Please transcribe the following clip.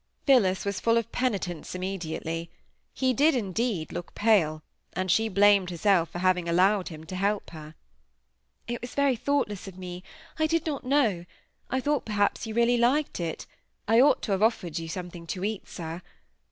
Phillis was full of penitence immediately. He did, indeed, look pale; and she blamed herself for having allowed him to help her. "It was very thoughtless of me. I did not know—I thought, perhaps, you really liked it. I ought to have offered you something to eat, sir!